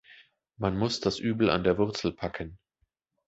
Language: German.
Man muss das Übel an der Wurzel packen.